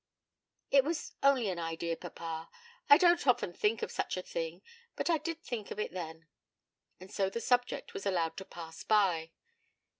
'It was only an idea, papa. I don't often think of such a thing; but I did think of it then.' And so the subject was allowed to pass by.